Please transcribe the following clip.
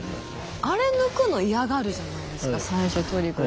あれ抜くの嫌がるじゃないですか最初トリコが。